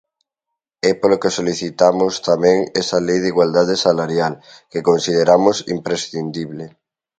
É polo que solicitamos tamén esa Lei de igualdade salarial, que consideramos imprescindible.